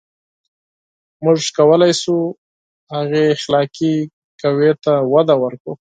• موږ کولای شو، هغې اخلاقي قوې ته وده ورکړو.